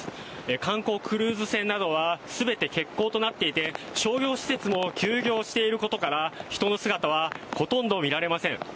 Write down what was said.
観光クルーズ船などはすべて欠航となっていて商業施設も休業していることから人の姿はほとんど見られません